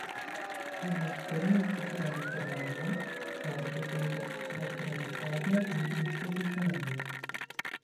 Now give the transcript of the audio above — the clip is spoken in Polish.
Jednak zgodnie z zasadami formalnymi, należy tu zastosować ramy prawne i instytucjonalne